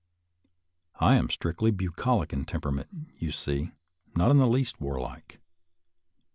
I am strictly bu colic in temperament, you see; not in the least warlike.